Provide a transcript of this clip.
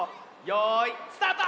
よいスタート！